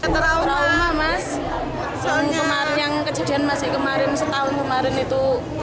trauma mas yang kejadian masih kemarin setahun kemarin itu